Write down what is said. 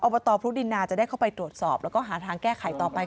บตพรุดินนาจะได้เข้าไปตรวจสอบแล้วก็หาทางแก้ไขต่อไป